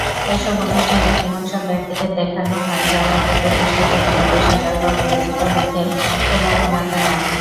এসব অনুষ্ঠানে এমন সব ব্যক্তিকে দেখানোহয়, যারা আপাতদৃষ্টিতে কোন পেশাদার বা পরিচিত মুখের কোনও অভিনেতা নন।